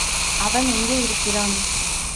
அவன் எங்கே இருக்கிறான்.